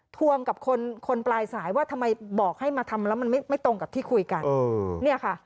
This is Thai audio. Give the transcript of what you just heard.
ทวงกับคนปลายสายว่าทำไมบอกให้มาทำแล้วมันไม่ตรงกับที่คุยกันเนี่ยค่ะ